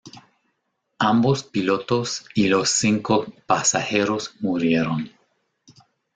Ambos pilotos y los cinco pasajeros murieron.